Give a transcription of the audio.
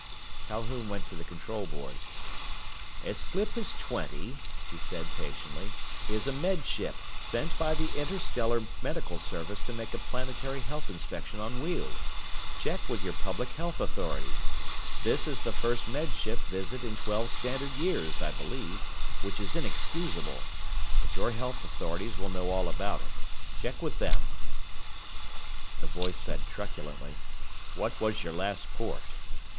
Calhoun went to the control board. "Aesclipus Twenty," he said patiently, "is a Med Ship, sent by the Interstellar Medical Service to make a planetary health inspection on Weald. Check with your public health authorities. This is the first Med Ship visit in twelve standard years, I believe which is inexcusable. But your health authorities will know all about it. Check with them." The voice said truculently: "What was your last port?"